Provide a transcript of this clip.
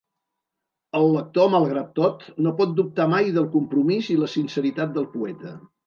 El lector, malgrat tot, no pot dubtar mai del compromís i la sinceritat del poeta.